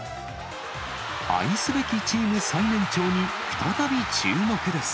愛すべきチーム最年長に、再び注目です。